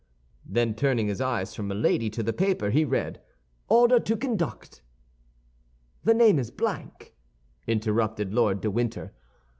Then turning his eyes from Milady to the paper, he read: "'Order to conduct—' The name is blank," interrupted Lord de Winter.